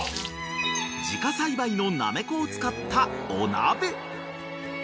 ［自家栽培のなめこを使ったお鍋］